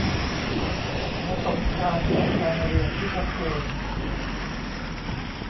ประสบการณ์หน่วยการเรียนที่ชัดเจน